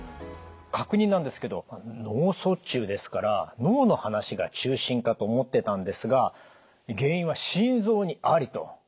確認なんですけど脳卒中ですから脳の話が中心かと思ってたんですが「原因は心臓にあり！」と。